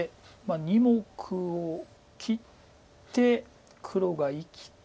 ２目を切って黒が生きて。